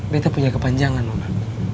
beta punya kepanjangan nona